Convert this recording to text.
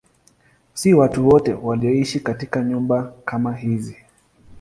Si watu wote walioishi katika nyumba kama hizi.